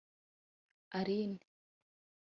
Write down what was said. Aline